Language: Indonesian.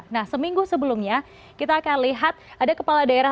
nah seminggu sebelumnya kita akan lihat ada kepala daerah